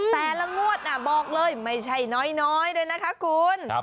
แต่ละงวดบอกเลยไม่ใช่น้อยเลยนะคะคุณ